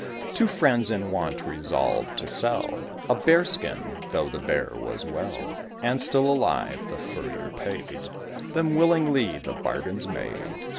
Two Friends, in want, resolved to sell A Bear skin, though the Bear was well, And still alive. The Furrier paid Them willingly; the bargain's made.